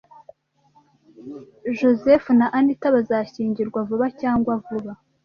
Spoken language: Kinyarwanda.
Joseph na Anita bazashyingirwa vuba cyangwa vuba.